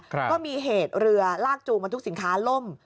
ก็มีเหตุเรือลากจูงบรรทุกสินค้าล่ม